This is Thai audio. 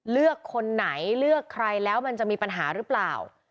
เลือกคนไหนเลือกใครแล้วมันจะมีปัญหาหรือเปล่า